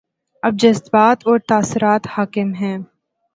اب جذبات اور تاثرات حاکم ہیں۔